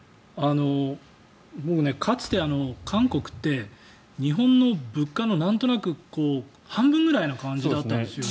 僕、かつて韓国って日本の物価のなんとなく半分ぐらいの感じだったんですよね。